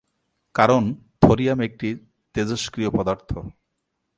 কারণ থোরিয়াম একটি তেজস্ক্রিয় পদার্থ।